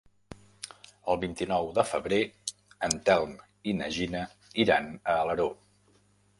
El vint-i-nou de febrer en Telm i na Gina iran a Alaró.